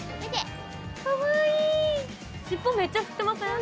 尻尾めっちゃ振ってません？